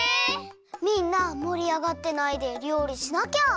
みんなもりあがってないでりょうりしなきゃ。